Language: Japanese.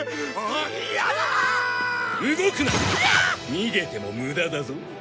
逃げても無駄だぞ。